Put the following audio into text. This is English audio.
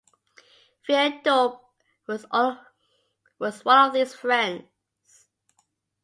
Pierre Dube was one of these friends.